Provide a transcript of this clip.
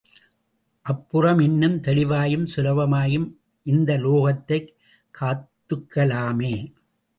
அப்புறம் இன்னும் தெளிவாயும் சுலபமாயும் இந்த லோகத்தைக் கத்துக்கலாமே!